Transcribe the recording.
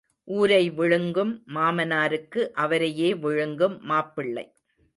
ஊரை விழுங்கும் மாமனாருக்கு அவரையே விழுங்கும் மாப்பிள்ளை.